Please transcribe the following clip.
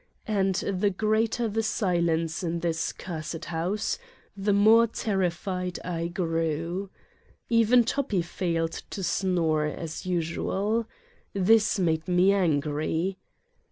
And the greater the silence in this cursed house the more terrified I grew. Even Toppi failed to snore as usual. This made me angry.